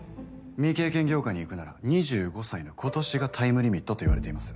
未経験業界にいくなら２５歳の今年がタイムリミットといわれています。